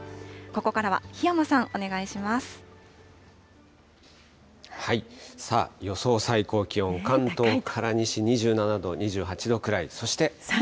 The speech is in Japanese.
ここからは檜山さん、お願いしまさあ、予想最高気温、関東から西、２７度、２８度くらい、そして。